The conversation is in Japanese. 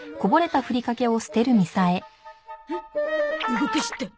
動かした。